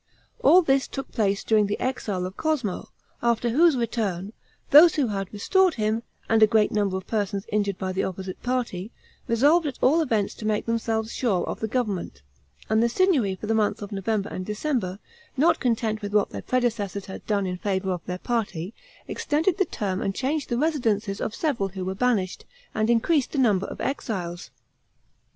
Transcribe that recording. All this took place during the exile of Cosmo, after whose return, those who had restored him, and a great number of persons injured by the opposite party, resolved at all events to make themselves sure of the government; and the Signory for the months of November and December, not content with what their predecessors had done in favor of their party extended the term and changed the residences of several who were banished, and increased the number of exiles.